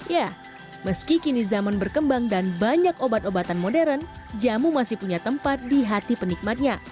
ya meski kini zaman berkembang dan banyak obat obatan modern jamu masih punya tempat di hati penikmatnya